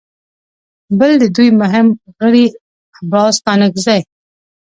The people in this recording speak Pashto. بل د دوی مهم غړي عباس ستانکزي